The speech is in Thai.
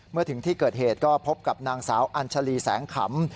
เมื่อถึงที่เกิดเหตุก็พบกับนางสาวอัญชาลีแสงขำ